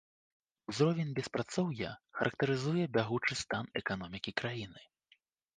Узровень беспрацоўя характарызуе бягучы стан эканомікі краіны.